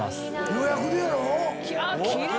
予約でやろ⁉奇麗！